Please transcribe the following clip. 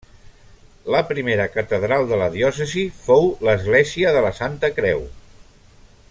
La primera catedral de la diòcesi fou l'Església de la Santa Creu.